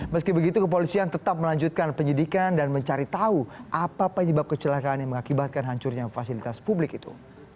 meski begitu kepolisian tetap melanjutkan penyidikan dan mencari tahu apa penyebab kecelakaan yang mengakibatkan hancurnya fasilitas publik itu